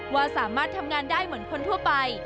ว่าสามารถทำงานได้เหมือนคนทั่วไป